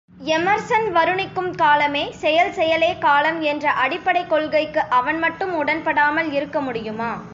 Emerson வருணிக்கும் காலமே செயல் செயலே காலம் என்ற அடிப்படைக் கொள்கைக்கு அவன் மட்டும் உடன்படாமல் இருக்க முடியுமா?